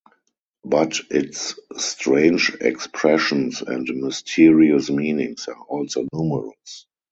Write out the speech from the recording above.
But its strange expressions and mysterious meanings are also numerous.